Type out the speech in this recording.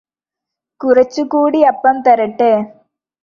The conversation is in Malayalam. കുറച്ചു കൂടി അപ്പം തരട്ടേ